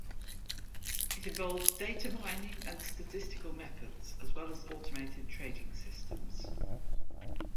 It involves data mining and statistical methods, as well as automated trading systems.